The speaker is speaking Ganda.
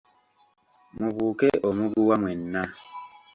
Mubuuke omuguwa mwenna.